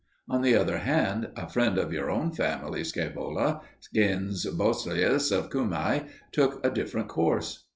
On the other hand, a friend of your own family, Scaevola, Gaius Blossius of Cumae, took a different course.